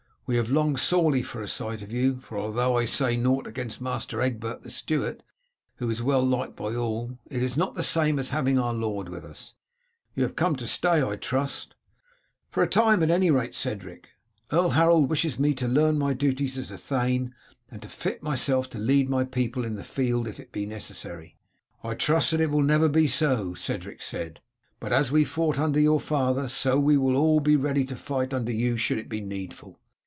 We have longed sorely for a sight of you, for though I say nought against Master Egbert the steward, who is well liked by all, it is not the same as having our lord with us. You have come to stay, I trust." "For a time at any rate, Cedric. Earl Harold wishes me to learn my duties as a thane and to fit myself to lead my people in the field if it be necessary." "I trust that it never will be so," Cedric said, "but as we fought under your father so will we all be ready to fight under you should it be needful.